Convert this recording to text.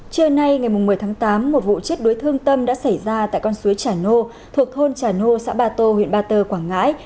trưa nay ngày một mươi tháng tám một vụ chết đuối thương tâm đã xảy ra tại con suối trà nô thuộc thôn trà nô xã bà tô huyện ba tờ quảng ngãi